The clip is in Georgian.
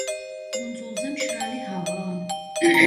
კუნძულზე მშრალი ჰავაა.